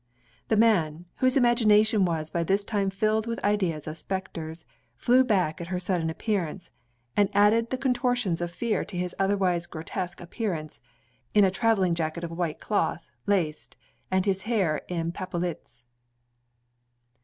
The man, whose imagination was by this time filled with ideas of spectres, flew back at her sudden appearance, and added the contortions of fear to his otherwise grotesque appearance, in a travelling jacket of white cloth, laced, and his hair in papillotes.